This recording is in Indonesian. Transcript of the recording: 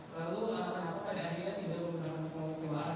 lalu kenapa pada akhirnya tidak menggunakan pesawat sewaan